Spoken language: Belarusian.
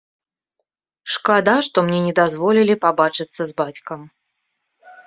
Шкада, што мне не дазволілі пабачыцца з бацькам.